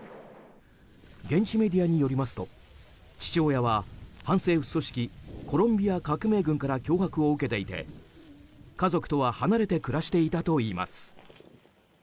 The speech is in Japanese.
現地メディアによりますと父親は反政府組織コロンビア革命軍から脅迫を受けていて家族とは離れて暮らしていたといいます。